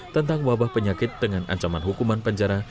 tentang wabah penyakit dengan ancaman hukuman penjara